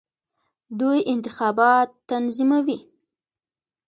دوی انتخابات تنظیموي.